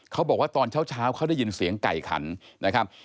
เขาบอกว่าตอนเช้าเขาได้ยินเสียงไก่ขันนะครับ